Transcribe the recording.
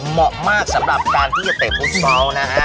เหมาะมากสำหรับการที่จะเตะฟุตเมาส์นะฮะ